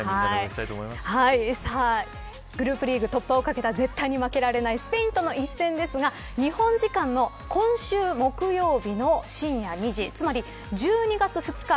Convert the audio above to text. グループリーグ突破をかけた絶対に負けられないスペインとの一戦ですが日本時間の今週木曜日の深夜２時、つまり１２月２日